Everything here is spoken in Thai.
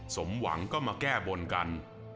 สมหวังก็มาแก้บนกัน